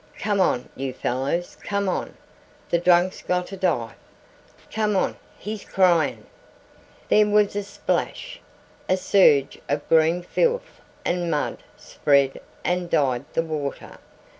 "Come on, you fellers come on the drunk's gonter dive come on he's cryin'!" There was a splash. A surge of green filth and mud spread and dyed the water.